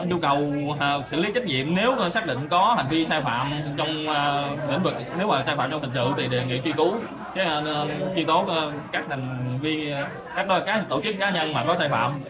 nhu cầu xử lý trách nhiệm nếu xác định có hành vi sai phạm trong lĩnh vực nếu là sai phạm trong hình sự thì đề nghị truy tố các tổ chức cá nhân mà có sai phạm